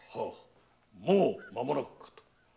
もう間もなくかと。